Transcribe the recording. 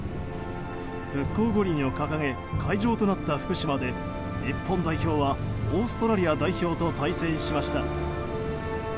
復興五輪を掲げ会場となった福島で日本代表はオーストラリア代表と対戦しました。